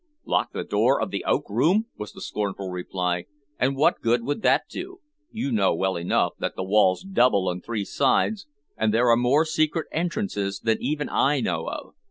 "Lock the door of the oak room!" was the scornful reply. "And what good would that do? You know well enough that the wall's double on three sides, and there are more secret entrances than even I know of.